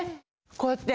こうやって。